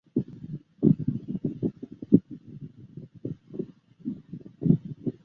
乌尔齐尼的名称源于建立城市的科尔基斯人。